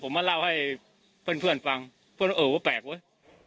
ผมมาเล่าให้เพื่อนฟังเพื่อนว่าเออว่าแปลกเว้ย